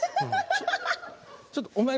ちょっと、お前。